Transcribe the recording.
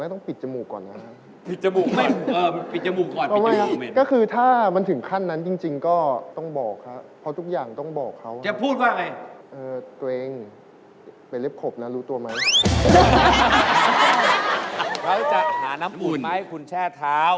เขาจะหาน้ำอุ่นไหมคุณแช่เท้า